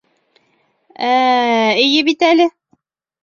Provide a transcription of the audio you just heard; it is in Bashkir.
Ә-ә, эйе бит әле!